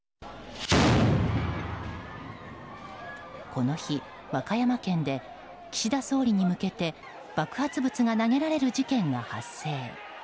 この日、和歌山県で岸田総理に向けて爆発物が投げられる事件が発生。